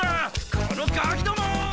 このガキども！